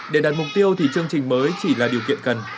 để đạt mục tiêu thì chương trình mới chỉ là điều kiện cần